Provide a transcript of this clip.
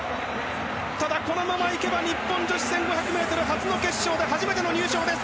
ただ、このままいけば女子１５００ｍ初の決勝で初めての入賞です。